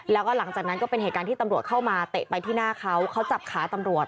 แล้วก็หลังจากนั้นก็เป็นเหตุการณ์ที่ตำรวจเข้ามาเตะไปที่หน้าเขาเขาจับขาตำรวจ